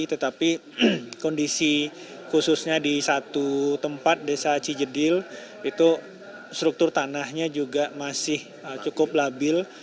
tetapi kondisi khususnya di satu tempat desa cijedil itu struktur tanahnya juga masih cukup labil